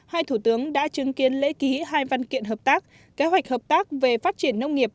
hai thủ tướng đã chứng kiến lễ ký hai văn kiện hợp tác kế hoạch hợp tác về phát triển nông nghiệp